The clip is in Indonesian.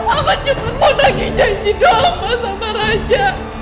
aku cuma mau nangis janji doang sama raja